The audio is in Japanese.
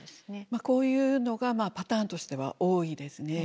こういうのがパターンとしては多いですね。